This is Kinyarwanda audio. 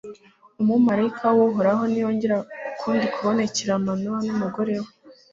umumalayika w'uhoraho ntiyongera ukundi kubonekera manowa n'umugore we